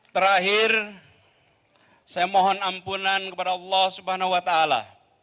terakhir saya mohon ampunan kepada allah subhanahu wa ta'ala